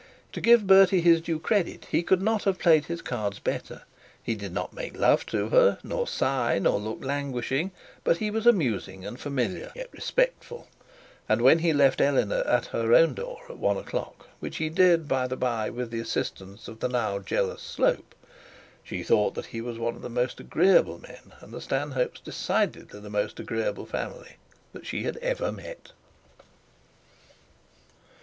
To give Bertie his due credit, he could not have played his cards better. He did not make love to her, nor sigh, nor look languishing; but he was amusing and familiar, yet respectful; and when he left Eleanor at her own door at one o'clock, which he did by the bye with the assistance of the now jealous Slope, she thought he was one of the most agreeable men, and the Stanhopes decidedly the most agreeable family, that she had ever met.